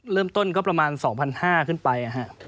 เริ่มต้นก็ประมาณ๒๕๐๐ขึ้นไป